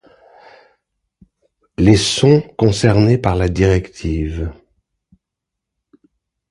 Les sont concernés par la directive.